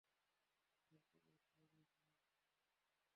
বাবা এসে গেছে।